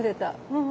うん。